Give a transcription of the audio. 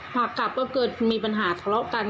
หากกลับก็เกิดมีปัญหาทะเลาะกัน